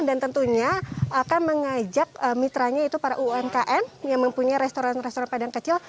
dan tentunya akan mengajak mitranya itu para umkm yang mempunyai restoran restoran padang kecil